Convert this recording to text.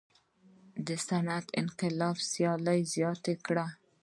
صنعتي انقلاب سیالي زیاته کړه.